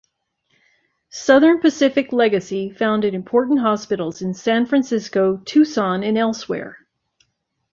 Southern Pacific legacy founded important hospitals in San Francisco, Tucson, and elsewhere.